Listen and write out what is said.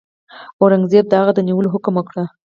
اورنګزېب د هغه د نیولو حکم وکړ.